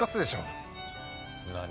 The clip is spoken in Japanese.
何？